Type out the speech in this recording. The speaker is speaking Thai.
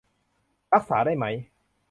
รักษาได้ไหม